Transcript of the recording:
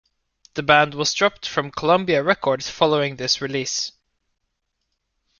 The band was dropped from Columbia Records following this release.